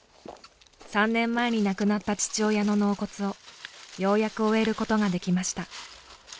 ３年前に亡くなった父親の納骨をようやく終えることができました。